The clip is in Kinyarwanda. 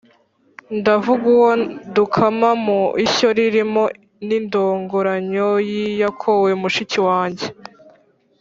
ndavuga uwo dukama mu ishyo ririmo n’indongoranyo y’iyakowe mushiki wange